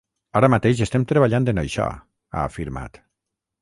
Ara mateix estem treballant en això, ha afirmat.